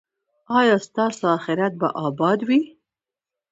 ایا ستاسو اخرت به اباد وي؟